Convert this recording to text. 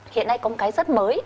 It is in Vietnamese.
hiện nay có một cái rất mới